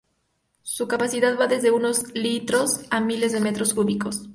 Su capacidad va desde unos litros a miles de metros cúbicos.